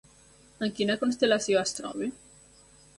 En quina constel·lació es troba?